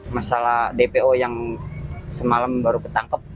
masalah dpo yang semalam baru ketangkep